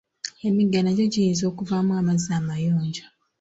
Emigga nagyo giyinza okuvaamu amazzi amayonjo.